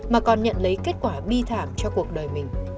mà còn nhận lấy kết quả bi thảm cho cuộc đời mình